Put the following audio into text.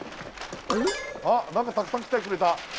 あっ何かたくさん来てくれた。